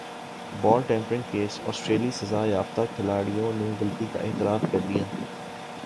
بال tampering case سٹریلوی سزا یافتہ کھلاڑیوں نےغلطی کا اعتراف کر لیا